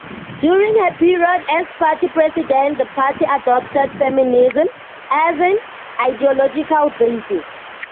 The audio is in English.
During her period as party president, the party adopted feminism as an ideological basis.